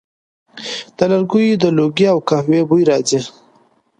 د لرګیو د لوګي او قهوې بوی راځي